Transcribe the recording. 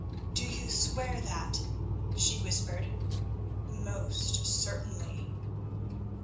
"Do you swear that?" she whispered. "Most certainly."